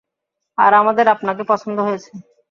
আর আমাদের আপনাকে পছন্দ হয়েছে।